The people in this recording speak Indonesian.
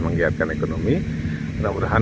menggiatkan ekonomi mudah mudahan